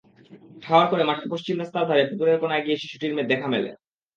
ঠাহর করে মাঠের পশ্চিম রাস্তার ধারে পুকুরের কোনায় গিয়ে শিশুটির দেখা মেলে।